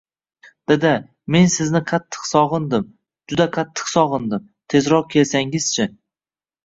Dada, men sizni qattiq sog'indim, juda qattiq sog'indim, tezroq kelsangizchi